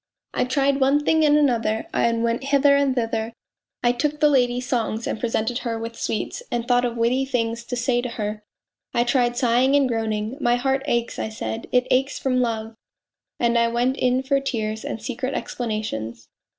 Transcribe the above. I tried one thing and another, and went hither and thither. I took the lady songs and presented her with sweets and thought of witty things to say to her. I tried sighing and groaning. ' My heart aches,' I said, ' it aches from love.' And I went in for tears and secret explanations.